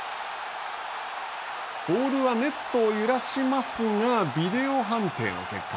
ボールはネットを揺らしますがビデオ判定の結果